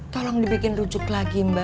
tolong dibikin rujuk lagi mbak